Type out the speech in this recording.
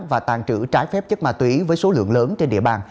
và tàn trữ trái phép chất ma túy với số lượng lớn trên địa bàn